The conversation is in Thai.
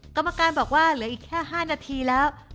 กรรมการบอกว่าเหลืออีกแค่๕นาทีแล้ว